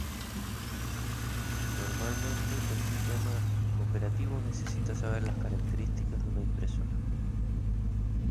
Normalmente, el sistema operativo necesita saber las características de una impresora.